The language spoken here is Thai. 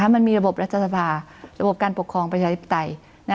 มันมีระบบรัฐสภาระบบการปกครองประชาธิปไตย